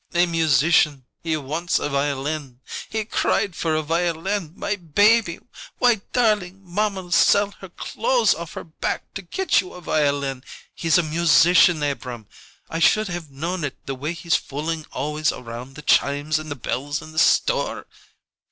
A musician! He wants a violin! He cried for a violin! My baby! Why, darlink, mamma'll sell her clothes off her back to get you a violin. He's a musician, Abrahm! I should have known it the way he's fooling always around the chimes and the bells in the store!"